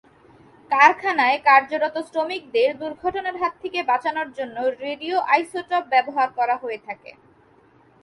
কারখানায় কার্যরত শ্রমিকদের দুর্ঘটনার হাত থেকে বাঁচানোর জন্য রেডিও আইসোটোপ ব্যবহার করা হয়ে থাকে।